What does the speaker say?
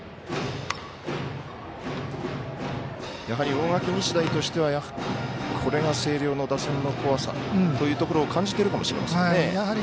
やはり大垣日大としてはこれが星稜の打線の怖さというところを感じているかもしれませんね。